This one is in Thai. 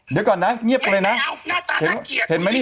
เดี๋ยวก่อนนะเงียบกันเลยนะ